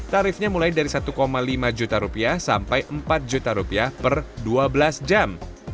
tarifnya mulai dari satu lima juta rupiah sampai empat juta rupiah per dua belas jam